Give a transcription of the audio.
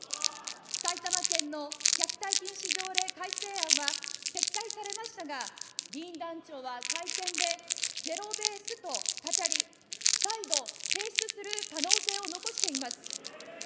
埼玉県の虐待禁止条例改正案は撤回されましたが、議員団長はでゼロベースと語り、再度提出する可能性を残しています。